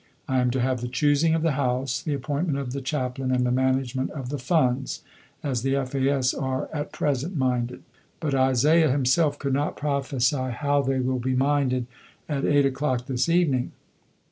I am to have the choosing of the house, the appointment of the Chaplain and the management of the funds, as the F.A.S. are at present minded. But Isaiah himself could not prophesy how they will be minded at 8 o'clock this evening.